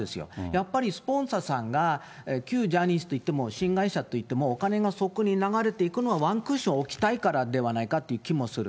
やっぱりスポンサーさんが、旧ジャニーズって言っても、新会社っていっても、お金がそこに流れていくのは、ワンクッション置きたいからではないかっていう、気もする。